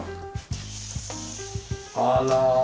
あら。